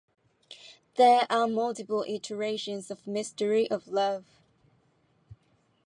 There are multiple iterations of "Mystery of Love".